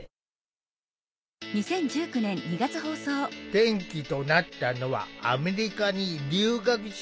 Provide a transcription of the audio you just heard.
転機となったのはアメリカに留学したこと。